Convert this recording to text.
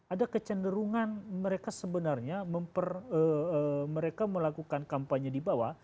ada kecenderungan mereka sebenarnya mereka melakukan kampanye di bawah